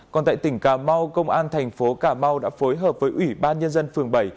còn tại tỉnh cà mau công an thành phố cà mau đã phối hợp với ủy ban nhân dân phường bảy